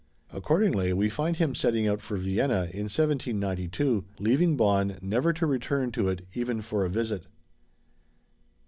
Accordingly we find him setting out for Vienna in 1792, leaving Bonn never to return to it even for a visit.